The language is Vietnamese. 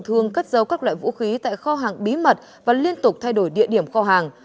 thương cất dấu các loại vũ khí tại kho hàng bí mật và liên tục thay đổi địa điểm kho hàng